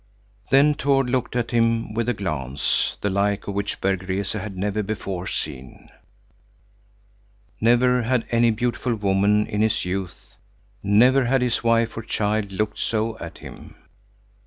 Then Tord looked at him with a glance, the like of which Berg Rese had never before seen. Never had any beautiful woman in his youth, never had his wife or child looked so at him.